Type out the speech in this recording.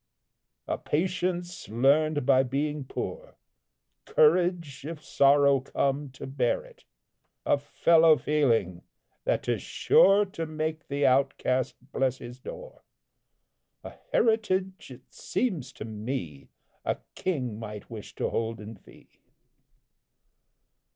A patience learned by being poor, Courage, if sorrow come, to bear it; A fellow feeling that is sure To make the outcast bless his door; A heritage, it seems to me, A king might wish to hold in fee.